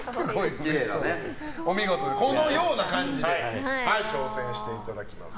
このような感じで挑戦していただきます。